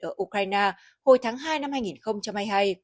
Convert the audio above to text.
ở ukraine hồi tháng hai năm hai nghìn hai mươi hai